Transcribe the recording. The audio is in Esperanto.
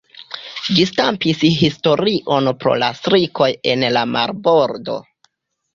Ĝi stampis historion pro la strikoj en la Marbordo.